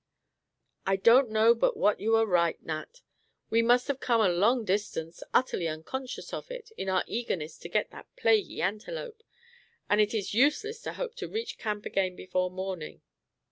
"I don't know but what you are right, Nat. We must have come a long distance, utterly unconscious of it, in our eagerness to get that plaguey antelope, and it is useless to hope to reach camp again before morning."